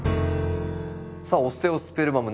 さあオステオスペルマム